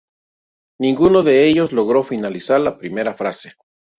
Ninguno de ellos logró finalizar la primera fase.